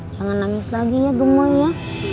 jangan nangis lagi ya gemuk ya